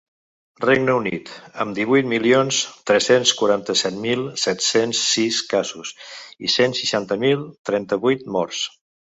Regne Unit, amb divuit milions tres-cents quaranta-set mil set-cents sis casos i cent seixanta mil trenta-vuit morts.